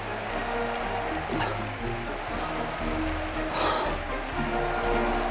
はあ。